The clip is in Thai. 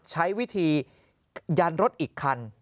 ใช้วิธียันรถอีกคัน